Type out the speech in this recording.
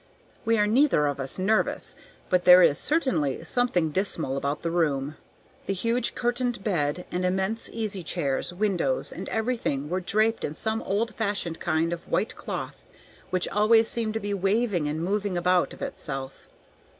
We are neither of us nervous; but there is certainly something dismal about the room. The huge curtained bed and immense easy chairs, windows, and everything were draped in some old fashioned kind of white cloth which always seemed to be waving and moving about of itself.